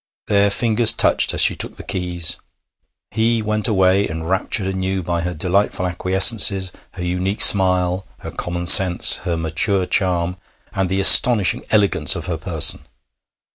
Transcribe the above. Their fingers touched as she took the keys. He went away enraptured anew by her delightful acquiescences, her unique smile, her common sense, her mature charm, and the astonishing elegance of her person.